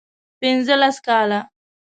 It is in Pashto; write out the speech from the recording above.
پنځه لس کاله